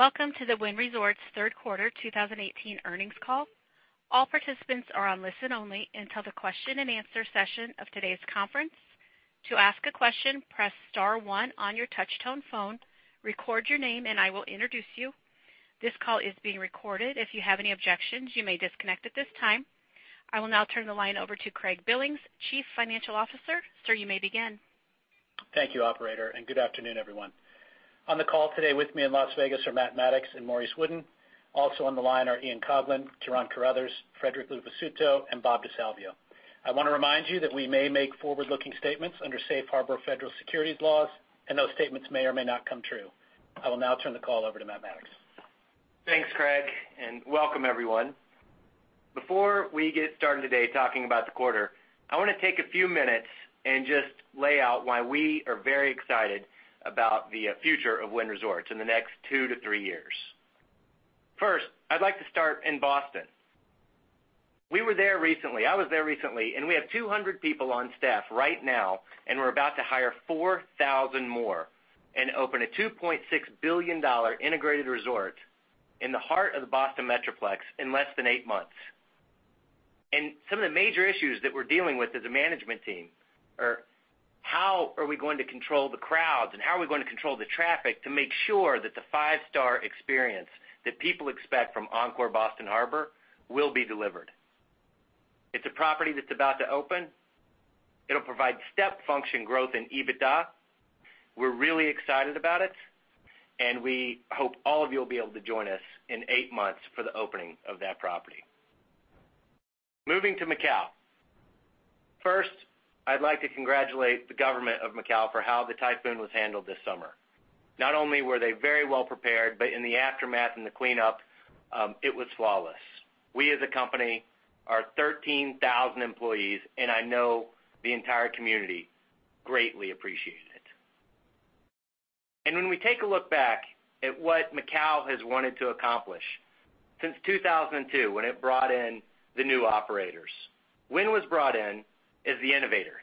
Welcome to the Wynn Resorts third quarter 2018 earnings call. All participants are on listen only until the question and answer session of today's conference. To ask a question, press star one on your touch-tone phone, record your name and I will introduce you. This call is being recorded. If you have any objections, you may disconnect at this time. I will now turn the line over to Craig Billings, Chief Financial Officer. Sir, you may begin. Thank you, operator. Good afternoon, everyone. On the call today with me in Las Vegas are Matt Maddox and Maurice Wooden. Also on the line are Ian Coughlan, Ciaran Carruthers, Frederic Luvisutto, and Robert DeSalvio. I want to remind you that we may make forward-looking statements under safe harbor federal securities laws, those statements may or may not come true. I will now turn the call over to Matt Maddox. Thanks, Craig. Welcome everyone. Before we get started today talking about the quarter, I want to take a few minutes and just lay out why we are very excited about the future of Wynn Resorts in the next two to three years. First, I'd like to start in Boston. We were there recently. I was there recently, we have 200 people on staff right now, we're about to hire 4,000 more and open a $2.6 billion integrated resort in the heart of the Boston Metroplex in less than eight months. Some of the major issues that we're dealing with as a management team are how are we going to control the crowds, how are we going to control the traffic to make sure that the five-star experience that people expect from Encore Boston Harbor will be delivered. It's a property that's about to open. It'll provide step function growth in EBITDA. We're really excited about it, we hope all of you will be able to join us in eight months for the opening of that property. Moving to Macau. First, I'd like to congratulate the government of Macau for how the typhoon was handled this summer. Not only were they very well-prepared, but in the aftermath and the cleanup, it was flawless. We, as a company, our 13,000 employees, I know the entire community greatly appreciated it. When we take a look back at what Macau has wanted to accomplish since 2002, when it brought in the new operators, Wynn was brought in as the innovator,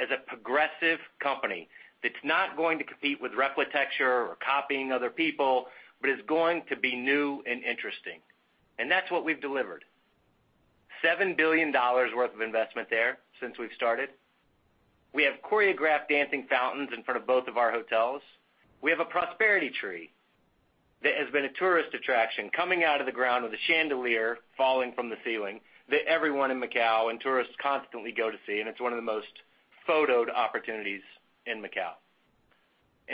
as a progressive company that's not going to compete with replication or copying other people, but is going to be new and interesting. That's what we've delivered. $7 billion worth of investment there since we've started. We have choreographed dancing fountains in front of both of our hotels. We have a prosperity tree that has been a tourist attraction, coming out of the ground with a chandelier falling from the ceiling that everyone in Macau and tourists constantly go to see, and it's one of the most photoed opportunities in Macau.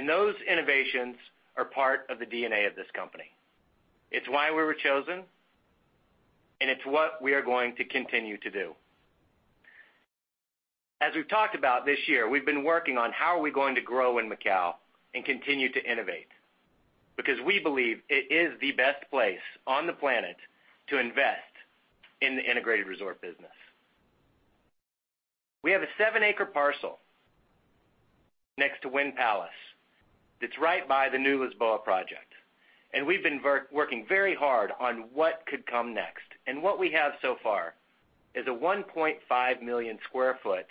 Those innovations are part of the DNA of this company. It's why we were chosen, and it's what we are going to continue to do. As we've talked about this year, we've been working on how are we going to grow in Macau and continue to innovate, because we believe it is the best place on the planet to invest in the integrated resort business. We have a seven-acre parcel next to Wynn Palace that's right by the new Lisboa project, and we've been working very hard on what could come next. What we have so far is a 1.5 million sq ft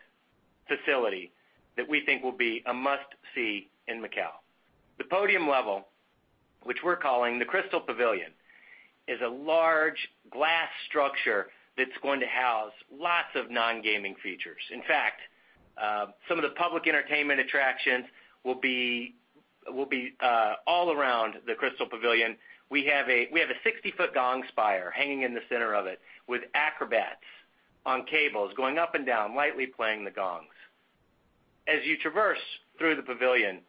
facility that we think will be a must-see in Macau. The podium level, which we're calling the Crystal Pavilion, is a large glass structure that's going to house lots of non-gaming features. In fact, some of the public entertainment attractions will be all around the Crystal Pavilion. We have a 60-foot gong spire hanging in the center of it with acrobats on cables going up and down, lightly playing the gongs. As you traverse through the Pavilion,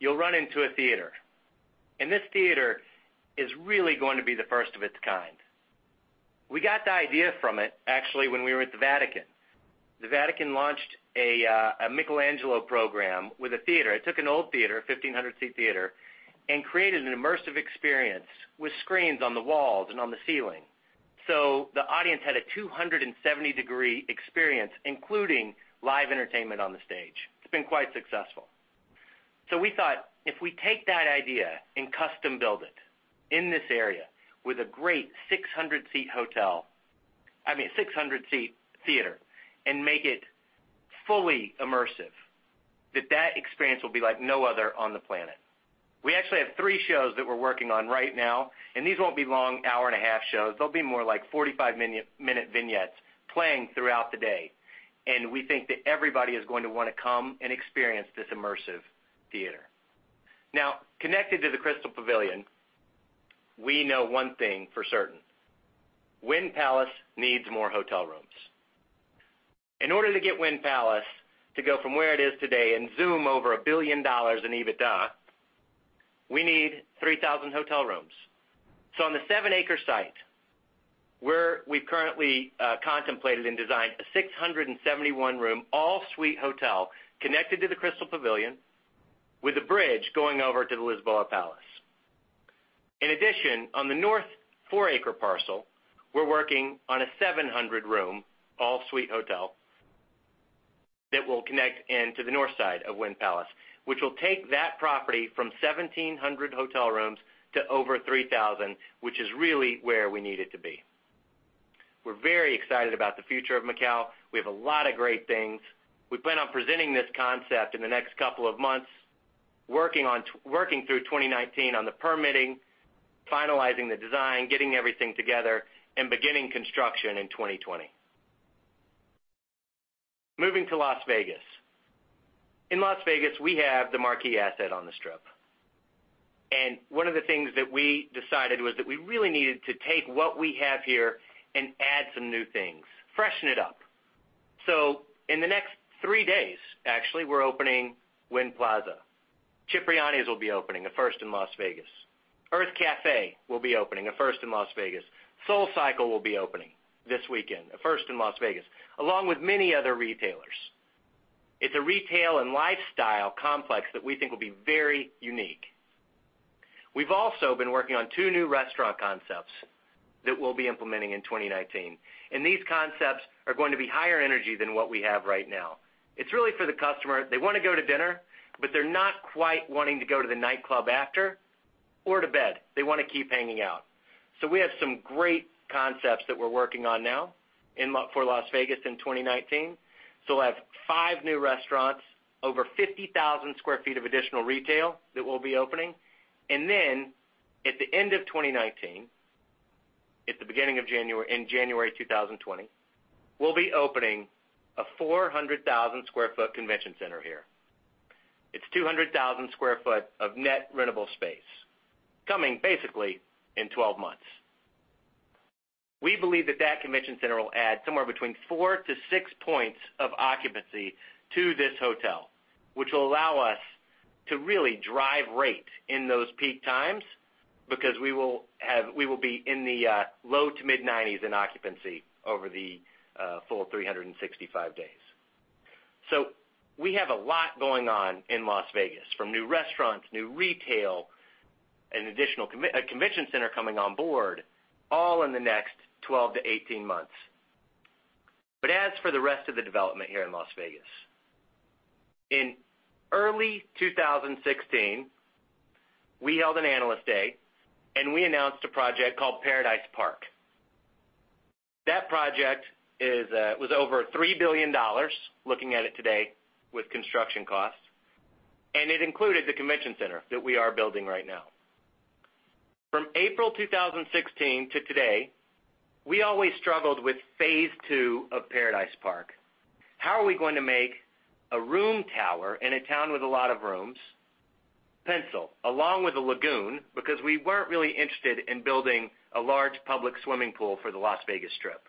you'll run into a theater. This theater is really going to be the first of its kind. We got the idea from it, actually, when we were at the Vatican. The Vatican launched a Michelangelo program with a theater. It took an old theater, a 1,500-seat theater, and created an immersive experience with screens on the walls and on the ceiling. The audience had a 270-degree experience, including live entertainment on the stage. It's been quite successful. We thought if we take that idea and custom build it in this area with a great 600-seat theater and make it fully immersive, that experience will be like no other on the planet. We actually have three shows that we're working on right now, and these won't be long hour-and-a-half shows. They'll be more like 45-minute vignettes playing throughout the day. We think that everybody is going to want to come and experience this immersive theater. Now, connected to the Crystal Pavilion, we know one thing for certain: Wynn Palace needs more hotel rooms. In order to get Wynn Palace to go from where it is today and zoom over a $1 billion in EBITDA, we need 3,000 hotel rooms. On the seven-acre site, we've currently contemplated and designed a 671-room all-suite hotel connected to the Crystal Pavilion with a bridge going over to the Lisboa Palace. In addition, on the north four-acre parcel, we're working on a 700-room all-suite hotel that will connect into the north side of Wynn Palace, which will take that property from 1,700 hotel rooms to over 3,000, which is really where we need it to be. We're very excited about the future of Macau. We have a lot of great things. We plan on presenting this concept in the next couple of months, working through 2019 on the permitting, finalizing the design, getting everything together, and beginning construction in 2020. Moving to Las Vegas. In Las Vegas, we have the marquee asset on the Strip. One of the things that we decided was that we really needed to take what we have here and add some new things, freshen it up. In the next three days, actually, we're opening Wynn Plaza. Cipriani will be opening, a first in Las Vegas. Urth Caffé will be opening, a first in Las Vegas. SoulCycle will be opening this weekend, a first in Las Vegas, along with many other retailers. It's a retail and lifestyle complex that we think will be very unique. We've also been working on two new restaurant concepts that we'll be implementing in 2019. These concepts are going to be higher energy than what we have right now. It's really for the customer. They want to go to dinner, but they're not quite wanting to go to the nightclub after or to bed. They want to keep hanging out. We have some great concepts that we're working on now for Las Vegas in 2019. We'll have five new restaurants, over 50,000 sq ft of additional retail that we'll be opening. At the end of 2019, in January 2020, we'll be opening a 400,000 sq ft convention center here. It's 200,000 sq ft of net rentable space coming basically in 12 months. We believe that that convention center will add somewhere between 4 to 6 points of occupancy to this hotel, which will allow us to really drive rate in those peak times because we will be in the low to mid-90s in occupancy over the full 365 days. We have a lot going on in Las Vegas, from new restaurants, new retail, a convention center coming on board, all in the next 12 to 18 months. As for the rest of the development here in Las Vegas. In early 2016, we held an analyst day. We announced a project called Paradise Park. That project was over $3 billion, looking at it today with construction costs. It included the convention center that we are building right now. From April 2016 to today, we always struggled with phase 2 of Paradise Park. How are we going to make a room tower in a town with a lot of rooms pencil along with a lagoon? Because we weren't really interested in building a large public swimming pool for the Las Vegas Strip.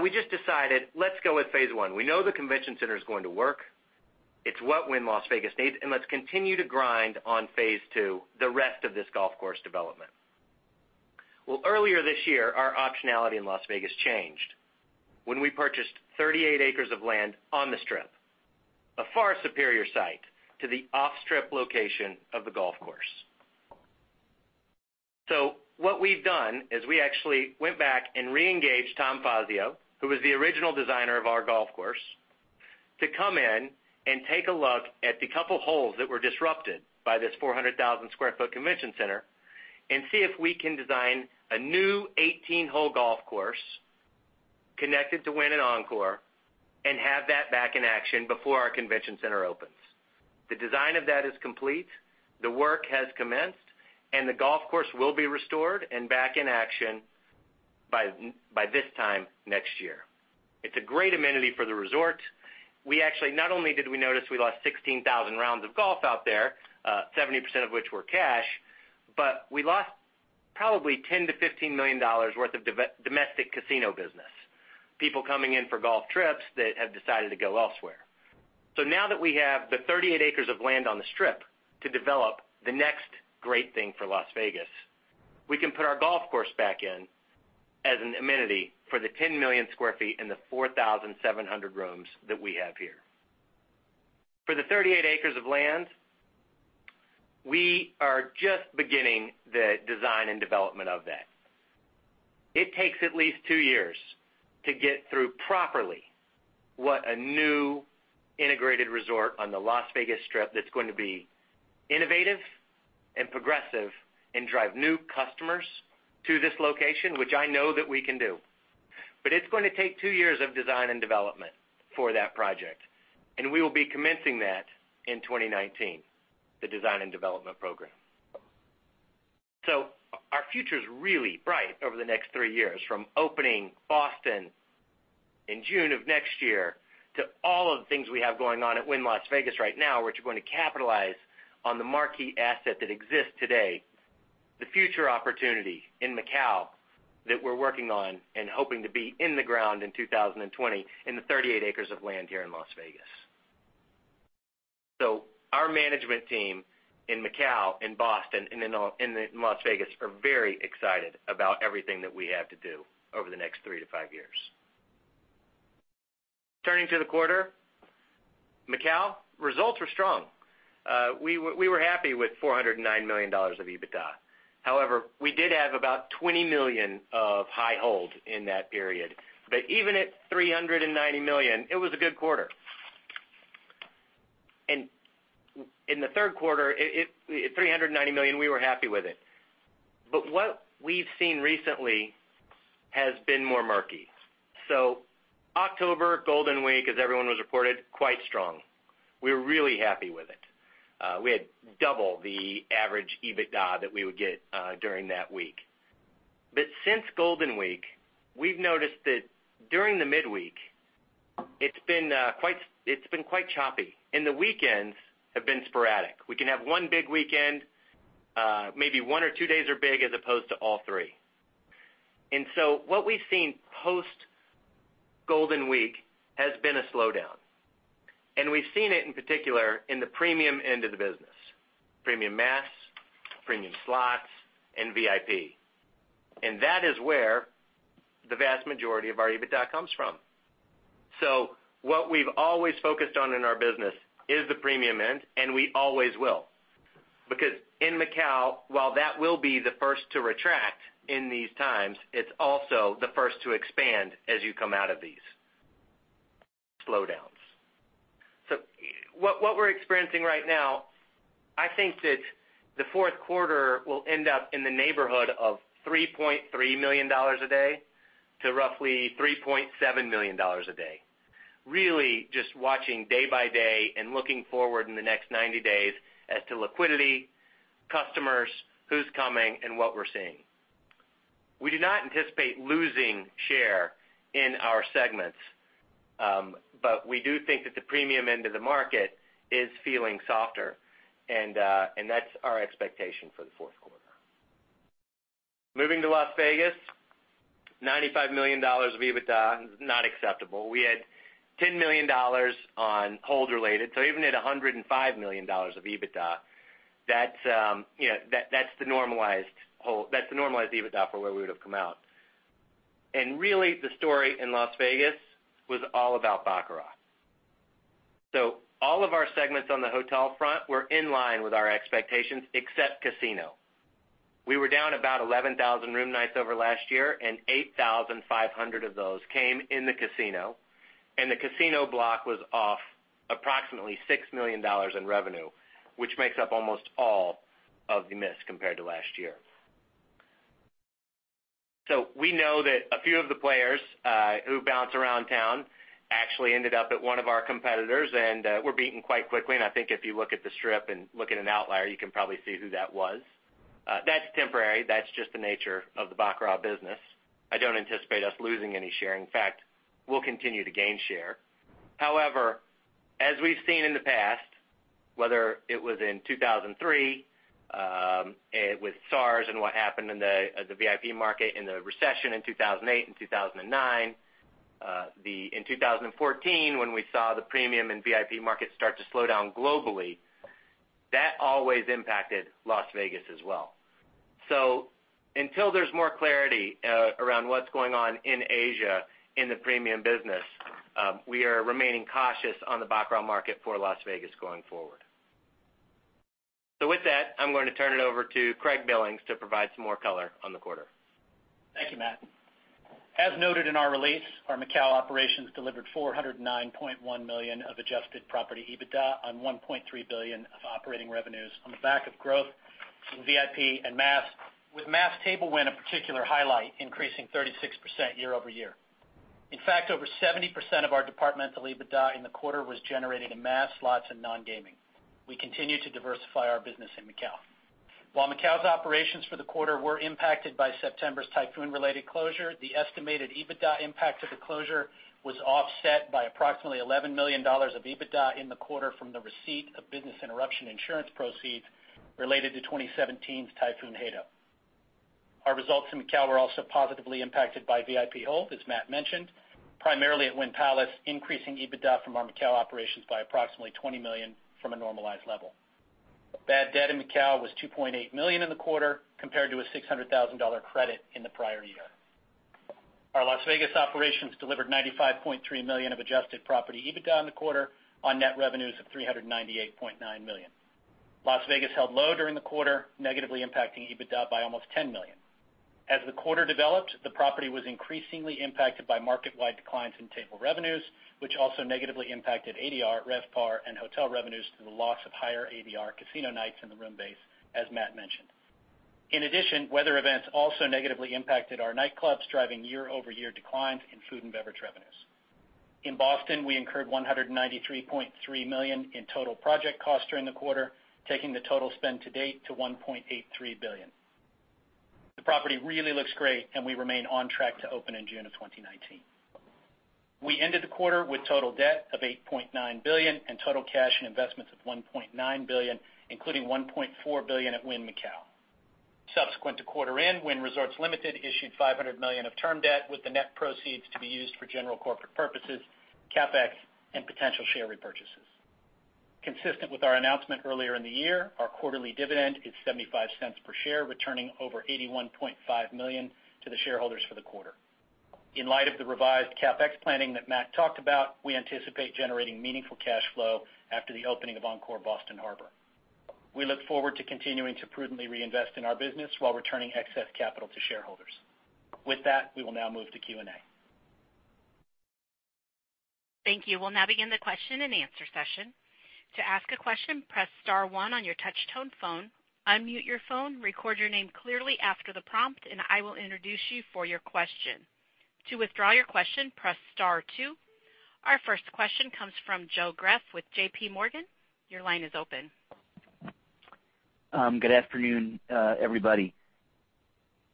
We just decided, let's go with phase 1. We know the convention center's going to work. It's what Wynn Las Vegas needs. Let's continue to grind on phase 2, the rest of this golf course development. Well, earlier this year, our optionality in Las Vegas changed when we purchased 38 acres of land on the Strip, a far superior site to the off-strip location of the golf course. What we've done is we actually went back and re-engaged Tom Fazio, who was the original designer of our golf course, to come in and take a look at the couple holes that were disrupted by this 400,000 sq ft convention center and see if we can design a new 18-hole golf course connected to Wynn and Encore and have that back in action before our convention center opens. The design of that is complete. The work has commenced. The golf course will be restored and back in action by this time next year. It's a great amenity for the resort. Not only did we notice we lost 16,000 rounds of golf out there, 70% of which were cash, but we lost probably $10 million-$15 million worth of domestic casino business, people coming in for golf trips that have decided to go elsewhere. Now that we have the 38 acres of land on the Strip to develop the next great thing for Las Vegas, we can put our golf course back in as an amenity for the 10 million sq ft and the 4,700 rooms that we have here. For the 38 acres of land, we are just beginning the design and development of that. It takes at least two years to get through properly what a new integrated resort on the Las Vegas Strip that's going to be innovative and progressive and drive new customers to this location, which I know that we can do. It's going to take two years of design and development for that project, and we will be commencing that in 2019, the design and development program. Our future's really bright over the next three years, from opening Boston in June of next year, to all of the things we have going on at Wynn Las Vegas right now, which are going to capitalize on the marquee asset that exists today, the future opportunity in Macau that we're working on and hoping to be in the ground in 2020, and the 38 acres of land here in Las Vegas. Our management team in Macau, in Boston, and in Las Vegas are very excited about everything that we have to do over the next three to five years. Turning to the quarter. Macau, results were strong. We were happy with $409 million of EBITDA. However, we did have about $20 million of high hold in that period. Even at $390 million, it was a good quarter. And in the third quarter, at $390 million, we were happy with it. What we've seen recently has been more murky. October, Golden Week, as everyone was reported, quite strong. We were really happy with it. We had double the average EBITDA that we would get during that week. Since Golden Week, we've noticed that during the midweek, it's been quite choppy, and the weekends have been sporadic. We can have one big weekend, maybe one or two days are big as opposed to all three. What we've seen post Golden Week has been a slowdown. We've seen it in particular in the premium end of the business, premium mass, premium slots, and VIP. That is where the vast majority of our EBITDA comes from. What we've always focused on in our business is the premium end, and we always will, because in Macau, while that will be the first to retract in these times, it's also the first to expand as you come out of these slowdowns. What we're experiencing right now, I think that the fourth quarter will end up in the neighborhood of $3.3 million-$3.7 million a day. Really just watching day by day and looking forward in the next 90 days as to liquidity, customers, who's coming, and what we're seeing. We do not anticipate losing share in our segments. We do think that the premium end of the market is feeling softer, and that's our expectation for the fourth quarter. Moving to Las Vegas, $95 million of EBITDA, not acceptable. We had $10 million on hold related, even at $105 million of EBITDA, that's the normalized EBITDA for where we would've come out. Really, the story in Las Vegas was all about baccarat. All of our segments on the hotel front were in line with our expectations, except casino. We were down about 11,000 room nights over last year, 8,500 of those came in the casino and the casino block was off approximately $6 million in revenue, which makes up almost all of the miss compared to last year. We know that a few of the players who bounce around town actually ended up at one of our competitors and were beaten quite quickly. I think if you look at the strip and look at an outlier, you can probably see who that was. That's temporary. That's just the nature of the baccarat business. I don't anticipate us losing any share. In fact, we'll continue to gain share. However, as we've seen in the past, whether it was in 2003, with SARS and what happened in the VIP market in the recession in 2008 and 2009. In 2014, when we saw the premium and VIP market start to slow down globally, that always impacted Las Vegas as well. Until there's more clarity around what's going on in Asia in the premium business, we are remaining cautious on the baccarat market for Las Vegas going forward. With that, I'm going to turn it over to Craig Billings to provide some more color on the quarter. Thank you, Matt. As noted in our release, our Macau operations delivered $409.1 million of adjusted property EBITDA on $1.3 billion of operating revenues on the back of growth from VIP and mass, with mass table win a particular highlight, increasing 36% year-over-year. In fact, over 70% of our departmental EBITDA in the quarter was generated in mass, slots, and non-gaming. We continue to diversify our business in Macau. While Macau's operations for the quarter were impacted by September's typhoon-related closure, the estimated EBITDA impact of the closure was offset by approximately $11 million of EBITDA in the quarter from the receipt of business interruption insurance proceeds related to 2017's Typhoon Hato. Our results in Macau were also positively impacted by VIP hold, as Matt mentioned, primarily at Wynn Palace, increasing EBITDA from our Macau operations by approximately $20 million from a normalized level. Bad debt in Macau was $2.8 million in the quarter compared to a $600,000 credit in the prior year. Our Las Vegas operations delivered $95.3 million of adjusted property EBITDA in the quarter on net revenues of $398.9 million. Las Vegas held low during the quarter, negatively impacting EBITDA by almost $10 million. As the quarter developed, the property was increasingly impacted by market-wide declines in table revenues, which also negatively impacted ADR, RevPAR, and hotel revenues through the loss of higher ADR casino nights in the room base, as Matt mentioned. Weather events also negatively impacted our nightclubs, driving year-over-year declines in food and beverage revenues. In Boston, we incurred $193.3 million in total project costs during the quarter, taking the total spend to date to $1.83 billion. The property really looks great. We remain on track to open in June of 2019. We ended the quarter with total debt of $8.9 billion and total cash and investments of $1.9 billion, including $1.4 billion at Wynn Macau. Subsequent to quarter end, Wynn Resorts, Limited issued $500 million of term debt with the net proceeds to be used for general corporate purposes, CapEx, and potential share repurchases. Consistent with our announcement earlier in the year, our quarterly dividend is $0.75 per share, returning over $81.5 million to the shareholders for the quarter. In light of the revised CapEx planning that Matt talked about, we anticipate generating meaningful cash flow after the opening of Encore Boston Harbor. We look forward to continuing to prudently reinvest in our business while returning excess capital to shareholders. We will now move to Q&A. Thank you. We'll now begin the question and answer session. To ask a question, press star one on your touchtone phone, unmute your phone, record your name clearly after the prompt. I will introduce you for your question. To withdraw your question, press star two. Our first question comes from Joseph Greff with J.P. Morgan. Your line is open. Good afternoon, everybody.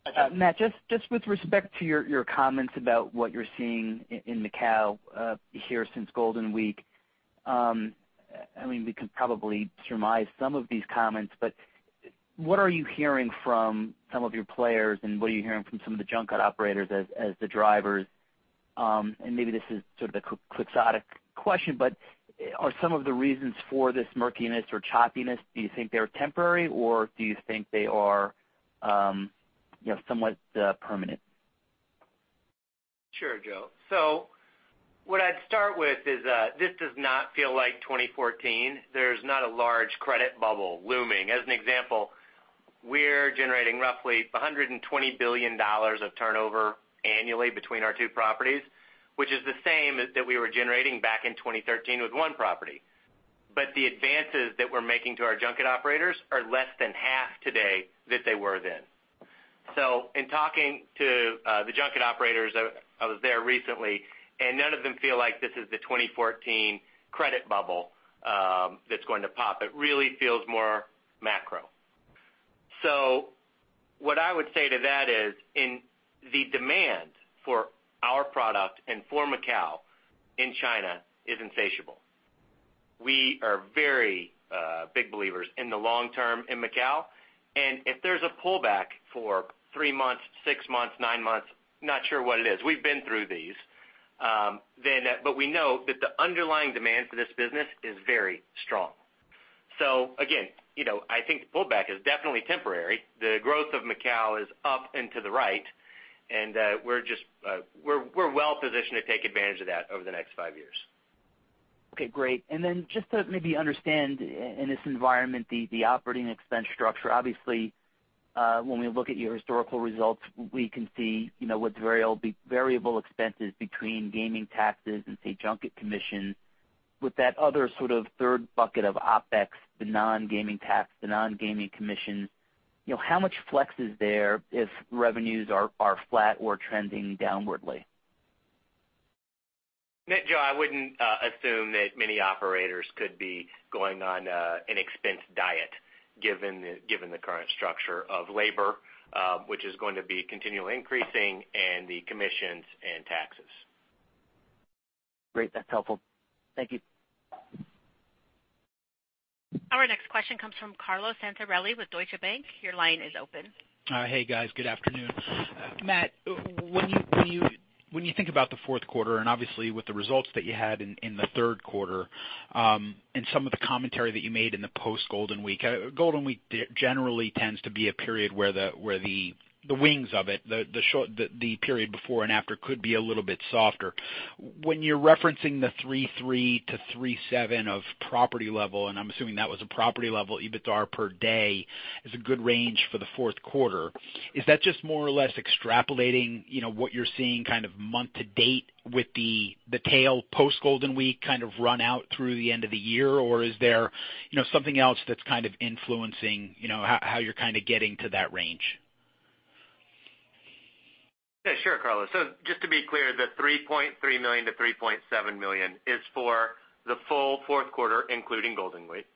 Good afternoon. Matt, just with respect to your comments about what you're seeing in Macau here since Golden Week. We can probably surmise some of these comments, but what are you hearing from some of your players, and what are you hearing from some of the junket operators as the drivers? Maybe this is sort of the quixotic question, but are some of the reasons for this murkiness or choppiness, do you think they're temporary, or do you think they are somewhat permanent? Sure, Joe. What I'd start with is, this does not feel like 2014. There's not a large credit bubble looming. As an example, we're generating roughly $120 billion of turnover annually between our two properties, which is the same that we were generating back in 2013 with one property. The advances that we're making to our junket operators are less than half today that they were then. In talking to the junket operators, I was there recently, and none of them feel like this is the 2014 credit bubble that's going to pop. It really feels more macro. What I would say to that is, the demand for our product and for Macau in China is insatiable. We are very big believers in the long term in Macau, and if there's a pullback for three months, six months, nine months, not sure what it is, we've been through these. We know that the underlying demand for this business is very strong. Again, I think the pullback is definitely temporary. The growth of Macau is up and to the right, and we're well positioned to take advantage of that over the next five years. Okay, great. Just to maybe understand, in this environment, the operating expense structure. Obviously, when we look at your historical results, we can see what's variable expenses between gaming taxes and, say, junket commission. With that other sort of third bucket of OpEx, the non-gaming tax, the non-gaming commission, how much flex is there if revenues are flat or trending downwardly? Joe, I wouldn't assume that many operators could be going on an expense diet given the current structure of labor, which is going to be continually increasing, and the commissions and taxes. Great. That's helpful. Thank you. Our next question comes from Carlo Santarelli with Deutsche Bank. Your line is open. Hey, guys. Good afternoon. Matt, when you think about the fourth quarter, obviously with the results that you had in the third quarter, some of the commentary that you made in the post-Golden Week. Golden Week generally tends to be a period where the wings of it, the period before and after could be a little bit softer. When you're referencing the $3.3 million-$3.7 million of property level, I'm assuming that was a property level EBITDA per day, is a good range for the fourth quarter. Is that just more or less extrapolating what you're seeing kind of month to date with the tail post-Golden Week kind of run out through the end of the year, or is there something else that's kind of influencing how you're kind of getting to that range? Yeah, sure, Carlo. Just to be clear, the $3.3 million-$3.7 million is for the full fourth quarter, including Golden Week.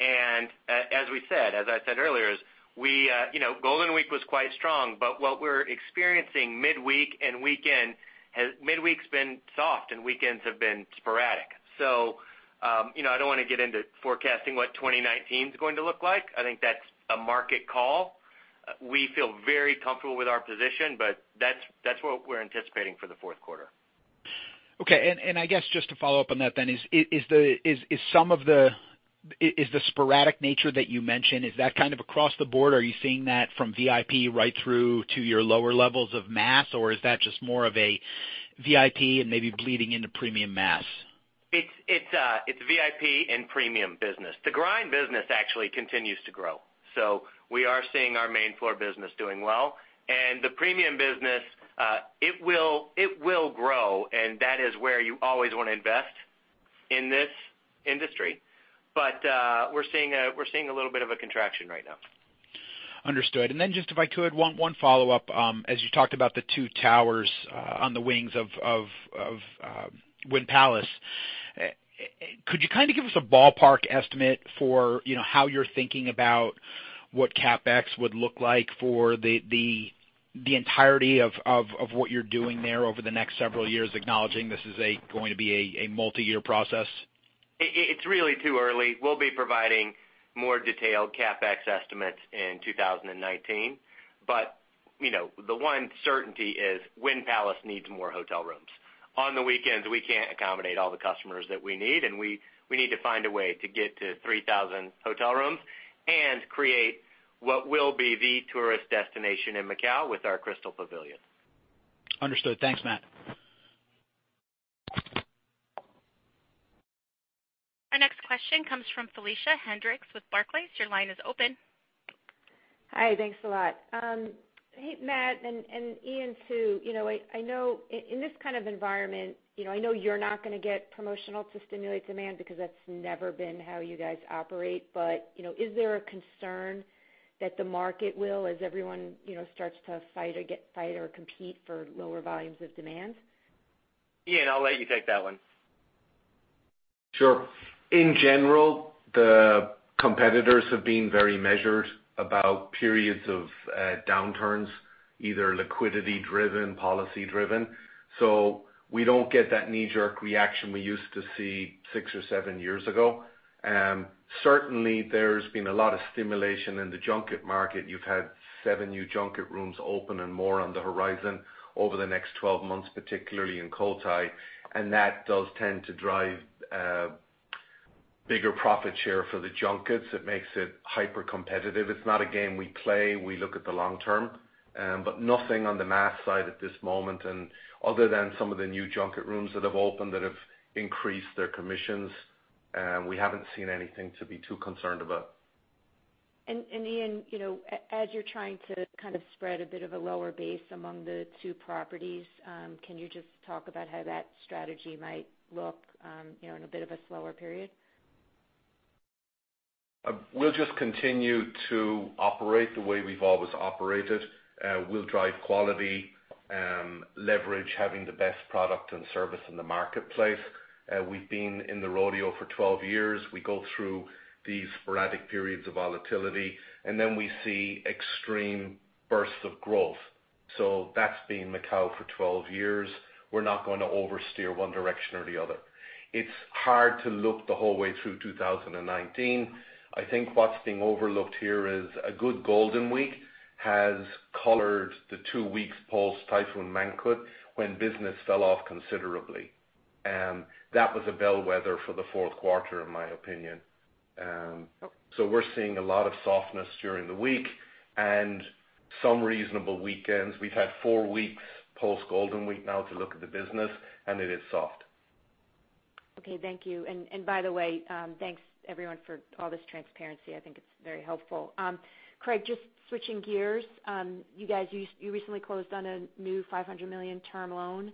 As I said earlier is, Golden Week was quite strong, but what we're experiencing midweek and weekend, midweek's been soft and weekends have been sporadic. I don't want to get into forecasting what 2019's going to look like. I think that's a market call. We feel very comfortable with our position, but that's what we're anticipating for the fourth quarter. Okay. I guess, just to follow up on that then, is the sporadic nature that you mentioned, is that kind of across the board? Are you seeing that from VIP right through to your lower levels of mass, or is that just more of a VIP and maybe bleeding into premium mass? It's VIP and premium business. The grind business actually continues to grow. We are seeing our main floor business doing well. The premium business, it will grow, and that is where you always want to invest in this industry. We're seeing a little bit of a contraction right now. Understood. Just if I could, one follow-up. As you talked about the two towers on the wings of Wynn Palace, could you kind of give us a ballpark estimate for how you're thinking about what CapEx would look like for the entirety of what you're doing there over the next several years, acknowledging this is going to be a multi-year process? It's really too early. We'll be providing more detailed CapEx estimates in 2019. The one certainty is Wynn Palace needs more hotel rooms. On the weekends, we can't accommodate all the customers that we need, and we need to find a way to get to 3,000 hotel rooms and create what will be the tourist destination in Macau with our Crystal Pavilion. Understood. Thanks, Matt. Question comes from Felicia Hendrix with Barclays. Your line is open. Hi. Thanks a lot. Hey, Matt, and Ian, too. I know in this kind of environment, I know you're not going to get promotional to stimulate demand because that's never been how you guys operate. Is there a concern that the market will, as everyone starts to fight or compete for lower volumes of demand? Ian, I'll let you take that one. Sure. In general, the competitors have been very measured about periods of downturns, either liquidity-driven, policy-driven. We don't get that knee-jerk reaction we used to see six or seven years ago. Certainly, there's been a lot of stimulation in the junket market. You've had seven new junket rooms open and more on the horizon over the next 12 months, particularly in Cotai, and that does tend to drive bigger profit share for the junkets. It makes it hyper-competitive. It's not a game we play. We look at the long term. Nothing on the mass side at this moment, other than some of the new junket rooms that have opened that have increased their commissions. We haven't seen anything to be too concerned about. Ian, as you're trying to spread a bit of a lower base among the two properties, can you just talk about how that strategy might look in a bit of a slower period? We'll just continue to operate the way we've always operated. We'll drive quality, leverage having the best product and service in the marketplace. We've been in the rodeo for 12 years. We go through these sporadic periods of volatility, and then we see extreme bursts of growth. That's been Macau for 12 years. We're not going to oversteer one direction or the other. It's hard to look the whole way through 2019. I think what's being overlooked here is a good Golden Week has colored the two weeks post-Typhoon Mangkhut when business fell off considerably. That was a bellwether for the fourth quarter, in my opinion. We're seeing a lot of softness during the week and some reasonable weekends. We've had four weeks post-Golden Week now to look at the business, and it is soft. Okay, thank you. By the way, thanks everyone for all this transparency. I think it's very helpful. Craig, just switching gears. You guys, you recently closed on a new $500 million term loan.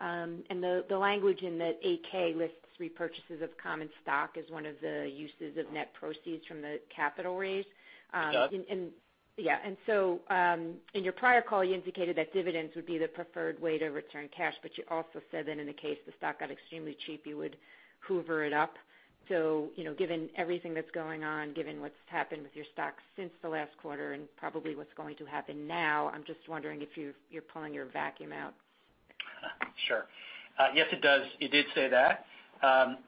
The language in that 8-K lists repurchases of common stock as one of the uses of net proceeds from the capital raise. Yes. Yeah. In your prior call, you indicated that dividends would be the preferred way to return cash, but you also said that in the case the stock got extremely cheap, you would hoover it up. Given everything that's going on, given what's happened with your stock since the last quarter and probably what's going to happen now, I'm just wondering if you're pulling your vacuum out. Sure. Yes, it did say that.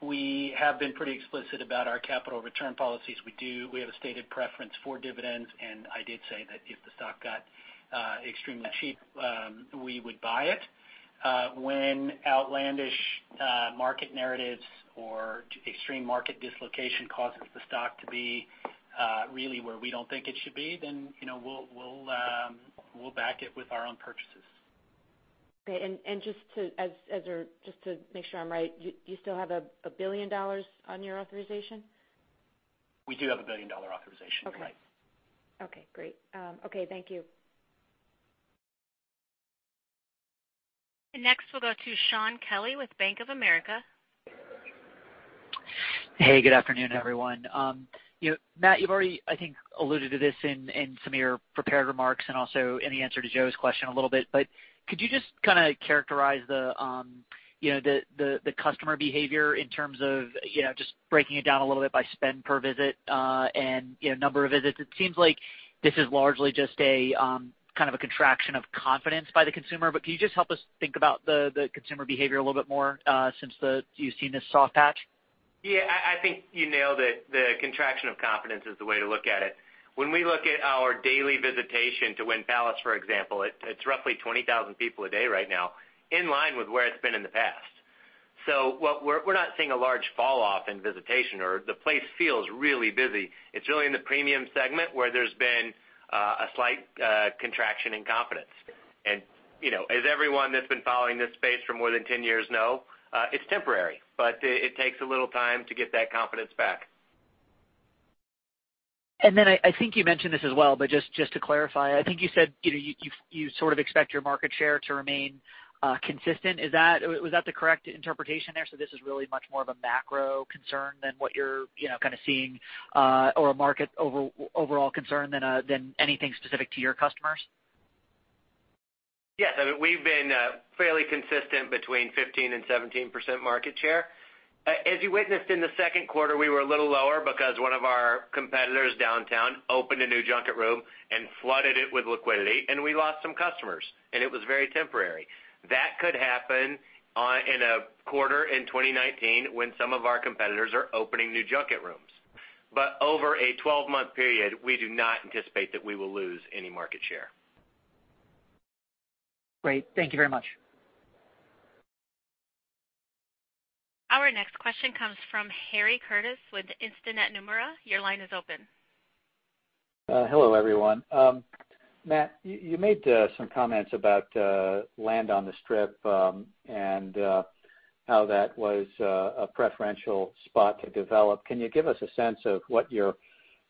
We have been pretty explicit about our capital return policies. We have a stated preference for dividends, and I did say that if the stock got extremely cheap, we would buy it. When outlandish market narratives or extreme market dislocation causes the stock to be really where we don't think it should be, then we'll back it with our own purchases. Okay. Just to make sure I'm right, do you still have a $1 billion on your authorization? We do have a billion-dollar authorization, right. Okay, great. Okay, thank you. Next we'll go to Shaun Kelley with Bank of America. Hey, good afternoon, everyone. Matt, you've already, I think, alluded to this in some of your prepared remarks, and also in the answer to Joe's question a little bit. Could you just characterize the customer behavior in terms of just breaking it down a little bit by spend per visit, and number of visits? It seems like this is largely just a contraction of confidence by the consumer. Can you just help us think about the consumer behavior a little bit more since you've seen this soft patch? Yeah, I think you nailed it. The contraction of confidence is the way to look at it. When we look at our daily visitation to Wynn Palace, for example, it's roughly 20,000 people a day right now, in line with where it's been in the past. We're not seeing a large fall off in visitation or the place feels really busy. It's really in the premium segment where there's been a slight contraction in confidence. As everyone that's been following this space for more than 10 years know, it's temporary, but it takes a little time to get that confidence back. I think you mentioned this as well. Just to clarify, I think you said you sort of expect your market share to remain consistent. Was that the correct interpretation there? This is really much more of a macro concern than what you're seeing, or a market overall concern than anything specific to your customers? Yes. We've been fairly consistent between 15%-17% market share. As you witnessed in the second quarter, we were a little lower because one of our competitors downtown opened a new junket room and flooded it with liquidity, and we lost some customers. It was very temporary. That could happen in a quarter in 2019 when some of our competitors are opening new junket rooms. Over a 12-month period, we do not anticipate that we will lose any market share. Great. Thank you very much. Our next question comes from Harry Curtis with Instinet Nomura. Your line is open. Hello, everyone. Matt, you made some comments about land on the Strip and how that was a preferential spot to develop. Can you give us a sense of what your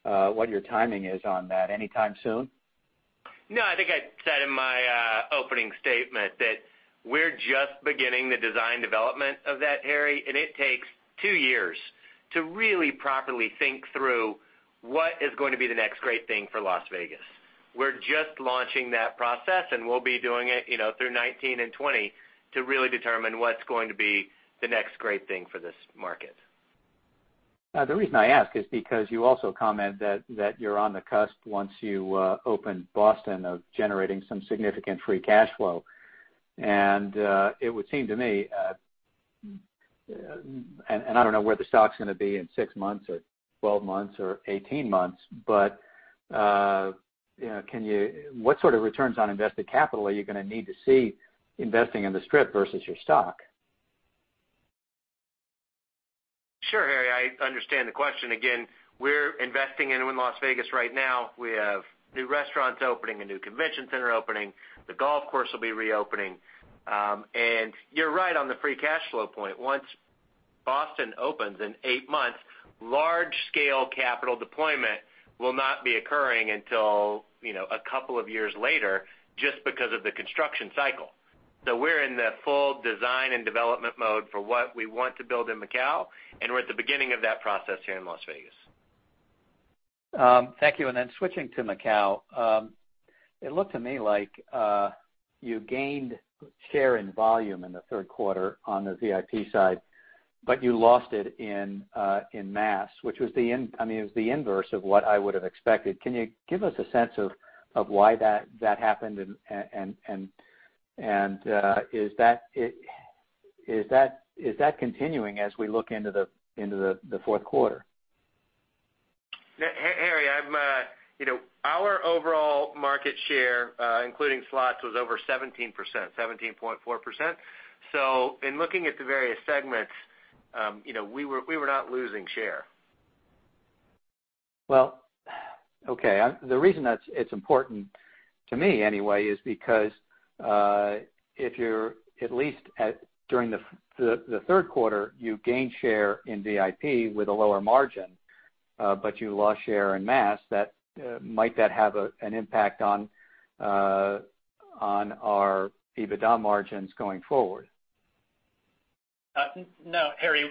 timing is on that? Anytime soon? I think I said in my opening statement that we're just beginning the design development of that, Harry. It takes two years to really properly think through what is going to be the next great thing for Las Vegas. We're just launching that process, and we'll be doing it through 2019 and 2020 to really determine what's going to be the next great thing for this market. The reason I ask is because you also comment that you're on the cusp once you open Boston of generating some significant free cash flow. It would seem to me, and I don't know where the stock's going to be in six months or 12 months or 18 months, but what sort of returns on invested capital are you going to need to see investing in the Strip versus your stock? Sure, Harry. I understand the question. Again, we're investing in Las Vegas right now. We have new restaurants opening, a new convention center opening. The golf course will be reopening. You're right on the free cash flow point. Once Boston opens in eight months, large-scale capital deployment will not be occurring until a couple of years later just because of the construction cycle. We're in the full design and development mode for what we want to build in Macau, and we're at the beginning of that process here in Las Vegas. Thank you. Then switching to Macau. It looked to me like you gained share in volume in the third quarter on the VIP side, but you lost it in mass, which was the inverse of what I would have expected. Can you give us a sense of why that happened? Is that continuing as we look into the fourth quarter? Harry, our overall market share including slots was over 17%, 17.4%. In looking at the various segments, we were not losing share. Well, okay. The reason it's important to me anyway is because if you're at least during the third quarter, you gained share in VIP with a lower margin, but you lost share in mass. Might that have an impact on our EBITDA margins going forward? No, Harry.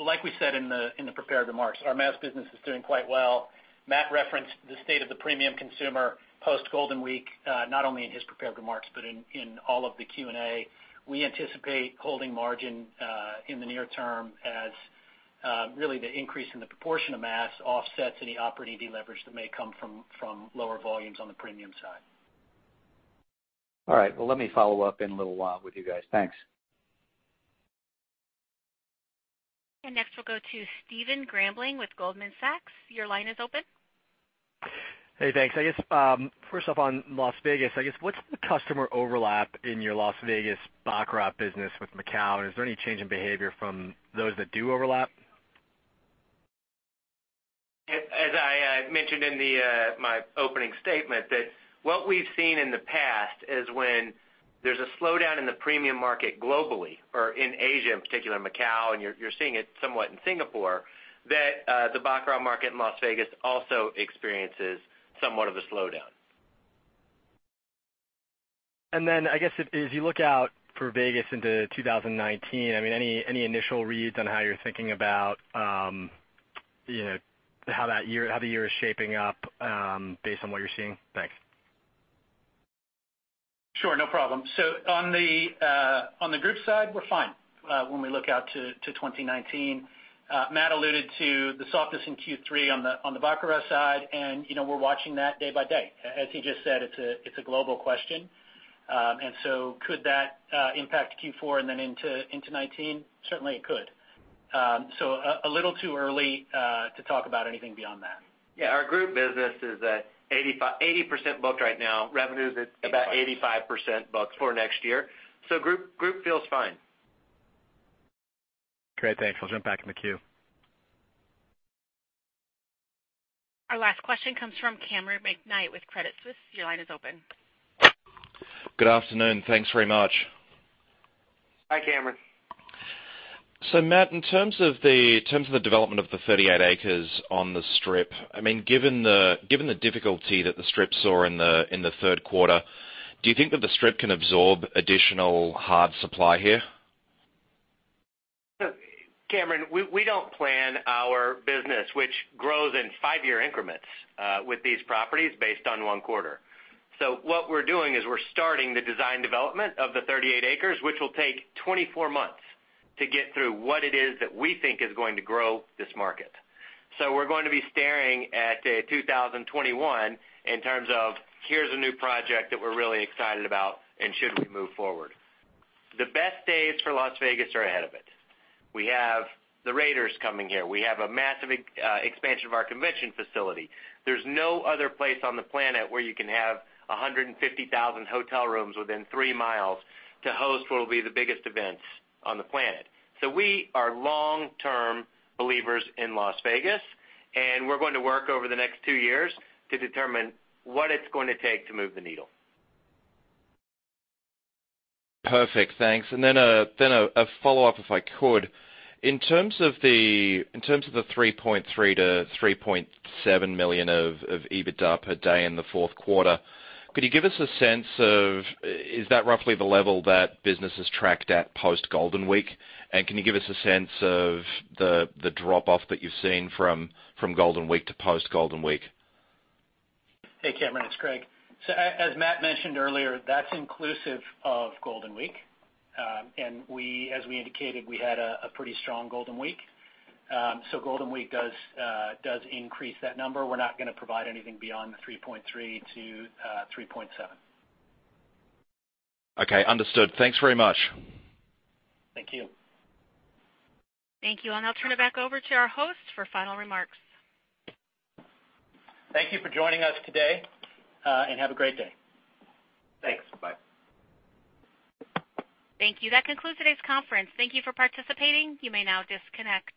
Like we said in the prepared remarks, our mass business is doing quite well. Matt referenced the state of the premium consumer post Golden Week, not only in his prepared remarks, but in all of the Q&A. We anticipate holding margin in the near term as really the increase in the proportion of mass offsets any operating deleverage that may come from lower volumes on the premium side. All right. Well, let me follow up in a little while with you guys. Thanks. Next, we'll go to Stephen Grambling with Goldman Sachs. Your line is open. Hey, thanks. I guess first off on Las Vegas, I guess, what's the customer overlap in your Las Vegas baccarat business with Macau? Is there any change in behavior from those that do overlap? As I mentioned in my opening statement, what we've seen in the past is when there's a slowdown in the premium market globally, or in Asia in particular, Macau, and you're seeing it somewhat in Singapore, that the baccarat market in Las Vegas also experiences somewhat of a slowdown. I guess as you look out for Vegas into 2019, any initial reads on how you're thinking about how the year is shaping up based on what you're seeing? Thanks. On the group side, we're fine when we look out to 2019. Matt alluded to the softness in Q3 on the baccarat side, and we're watching that day by day. As he just said, it's a global question. Could that impact Q4 and then into 2019? Certainly, it could. A little too early to talk about anything beyond that. Yeah, our group business is at 80% booked right now. Revenue's at about 85% booked for next year. Group feels fine. Great. Thanks. I'll jump back in the queue. Our last question comes from Cameron McKnight with Credit Suisse. Your line is open. Good afternoon. Thanks very much. Hi, Cameron. Matt, in terms of the development of the 38 acres on the Strip, given the difficulty that the Strip saw in the third quarter, do you think that the Strip can absorb additional hard supply here? Cameron, we don't plan our business, which grows in five-year increments with these properties based on one quarter. What we're doing is we're starting the design development of the 38 acres, which will take 24 months to get through what it is that we think is going to grow this market. We're going to be staring at 2021 in terms of here's a new project that we're really excited about and should we move forward. The best days for Las Vegas are ahead of it. We have the Raiders coming here. We have a massive expansion of our convention facility. There's no other place on the planet where you can have 150,000 hotel rooms within three miles to host what will be the biggest events on the planet. We are long-term believers in Las Vegas, and we're going to work over the next two years to determine what it's going to take to move the needle. Perfect. Thanks. A follow-up, if I could. In terms of the $3.3 million-$3.7 million of EBITDA per day in the fourth quarter, could you give us a sense of, is that roughly the level that business has tracked at post-Golden Week? Can you give us a sense of the drop-off that you've seen from Golden Week to post-Golden Week? Hey, Cameron, it's Craig. As Matt mentioned earlier, that's inclusive of Golden Week. As we indicated, we had a pretty strong Golden Week. Golden Week does increase that number. We're not going to provide anything beyond the $3.3 million-$3.7 million. Okay, understood. Thanks very much. Thank you. Thank you. I'll turn it back over to our host for final remarks. Thank you for joining us today, and have a great day. Thanks. Bye. Thank you. That concludes today's conference. Thank you for participating. You may now disconnect.